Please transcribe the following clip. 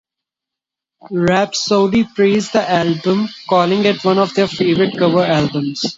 Rhapsody praised the album, calling it one of their favourite cover albums.